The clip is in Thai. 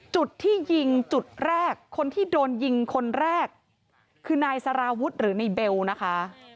จุดที่ยิงจุดแรกคนที่โดนยิงคนแรกคือนายสารวุฒิหรือในเบลนะคะ